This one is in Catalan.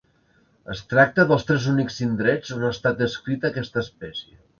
Es tracta dels tres únics indrets on ha estat descrita aquesta espècie.